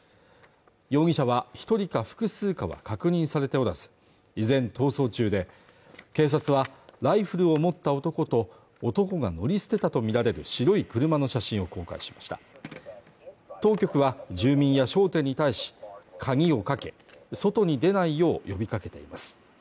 容疑者は一人か複数かは確認されておらず依然逃走中で警察はライフルを持った男と男が乗り捨てたとみられる白い車の写真を公開しました当局は住民や商店に対し鍵をかけ外に出ないよう呼びかけています